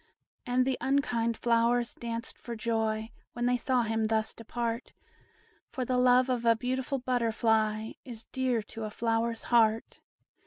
And the unkind flowers danced for joy, When they saw him thus depart; For the love of a beautiful butterfly Is dear to a flower's heart.